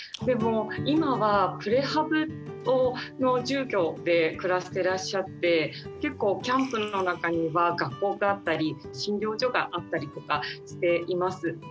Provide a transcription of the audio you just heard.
でも今はプレハブの住居で暮らしてらっしゃって結構キャンプの中には学校があったり診療所があったりとかしています。